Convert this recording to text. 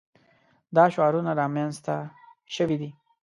دا شعارونه رامنځته شوي دي.